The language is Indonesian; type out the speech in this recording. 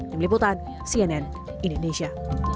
di meliputan cnn indonesia